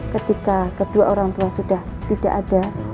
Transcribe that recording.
ketika kedua orang tua sudah tidak ada